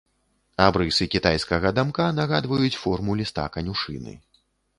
Абрысы кітайскага дамка нагадваюць форму ліста канюшыны.